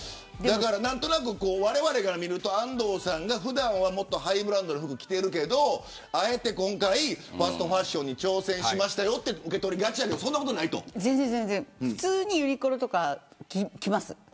われわれから見ると安藤さんは普段はハイブランドの服着ているけれどあえて今回ファストファッションに挑戦しましたよと受け取りがちだけど普通にユニクロとか着ます。